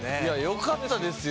よかった。